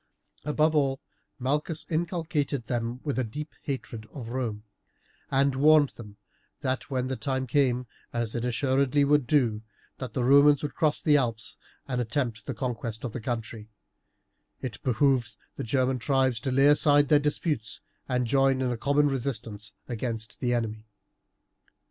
Above all, Malchus inculcated them with a deep hatred of Rome, and warned them that when the time came, as it assuredly would do, that the Romans would cross the Alps and attempt the conquest of the country, it behooved the German tribes to lay aside all their disputes and to join in a common resistance against the enemy.